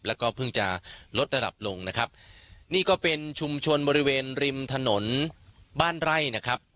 แล้วก็เพิ่งจะลดระดับลงนะครับนี่ก็เป็นชุมชนบริเวณริมถนนบ้านไร่นะครับ